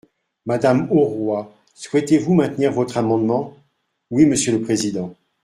Madame Auroi, souhaitez-vous maintenir votre amendement ? Oui, monsieur le président.